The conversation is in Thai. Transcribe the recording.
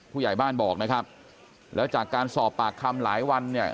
ผู้ใหญ่บ้านบอกนะครับแล้วจากการสอบปากคำหลายวันเนี่ย